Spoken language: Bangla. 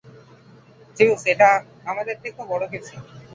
জিউস, এটা আমাদের থেকেও বড় কিছু।